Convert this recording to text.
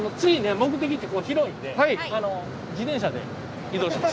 目的地広いんで自転車で移動します。